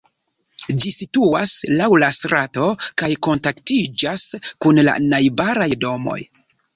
Ĝi situas laŭ la strato kaj kontaktiĝas kun la najbaraj domoj.